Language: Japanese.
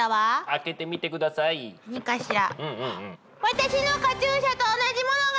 私のカチューシャと同じものが！